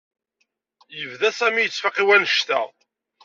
Yebda Sami yettfaq i wannect-a.